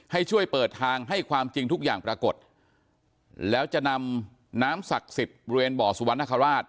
ให้ช่วยเปิดทางให้ความจริงทุกอย่างปรากฏแล้วจะนำน้ำศักดิ์สิทธิ์บริเวณบ่อสุวรรณคราช